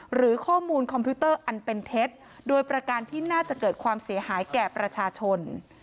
หรือข้อมูลคอมพิวเตอร์อันเป็นเท็จโดยประการที่น่าจะเกิดความเสียหายแก่ประชาชน